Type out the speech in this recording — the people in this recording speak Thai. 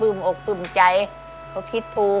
ปลืมอกปลืมใจเขาคิดถูก